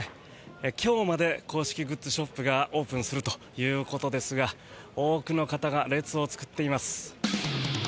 今日まで公式グッズショップがオープンするということですが多くの方が列を作っています。